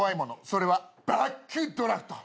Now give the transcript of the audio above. それはバックドラフト。